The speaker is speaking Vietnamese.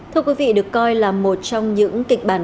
thưa quý vị được coi là một trong những kịch bản